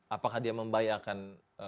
apakah dia membayarkan